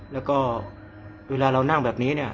แล้วก็เวลาเรานั่งแบบนี้เนี่ย